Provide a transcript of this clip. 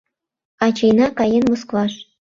— Ачийна каен Москваш